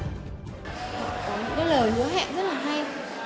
có những lời nhớ hẹn rất là hay